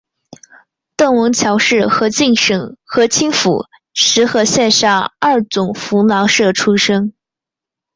邓文乔是河静省河清府石河县上二总拂挠社出生。